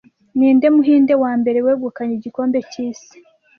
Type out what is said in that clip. Ninde Muhinde wambere wegukanye igikombe cyisi